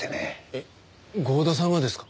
えっ剛田さんがですか？